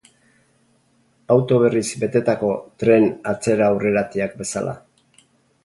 Auto berriz betetako tren atzera-aurreratiak bezala.